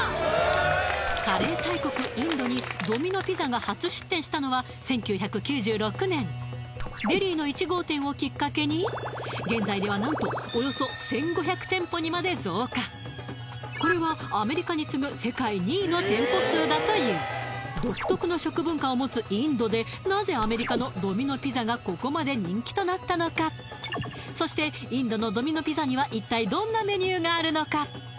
カレー大国インドにドミノ・ピザが初出店したのは１９９６年デリーの１号店をきっかけに現在では何とこれはアメリカに次ぐ世界２位の店舗数だという独特の食文化を持つインドでなぜアメリカのドミノ・ピザがここまで人気となったのかそしてインドのドミノ・ピザには一体どんなメニューがあるのか？